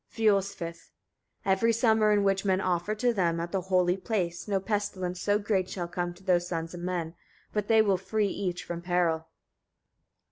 Fiolsvith. 41. Every summer in which men offer to them, at the holy place, no pestilence so great shall come to the sons of men, but they will free each from peril.